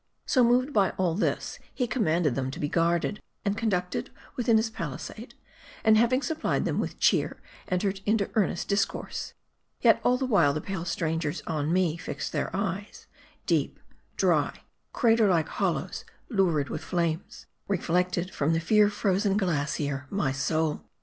So, moved by all this, he commanded them to be guard ed, and conducted within his palisade ; and having supplied them with cheer, entered into earnest discourse. Yet all the while, the pale strangers on me fixed their eyes ; deep, dry, crater like hollows, lurid with flames, reflected from the fear frozen glacier, my soul.